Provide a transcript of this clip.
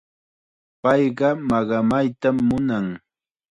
Payqa maqamaytam munan.